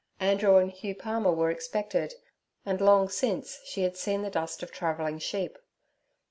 Andrew and Hugh Palmer were expected, and long since, she had seen the dust of travelling sheep.